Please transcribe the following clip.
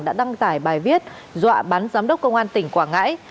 đã đăng tải bài viết dọa bắn giám đốc công an tỉnh quảng ngãi